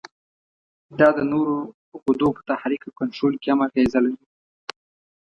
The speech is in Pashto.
دا د نورو غدو په تحریک او کنترول کې هم اغیزه لري.